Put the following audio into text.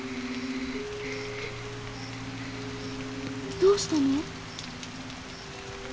どうしたの？